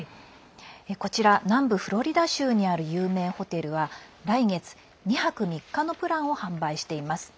こちら南部フロリダ州にある有名ホテルは来月２泊３日のプランを販売しています。